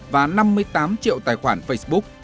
và năm mươi tám triệu tài khoản facebook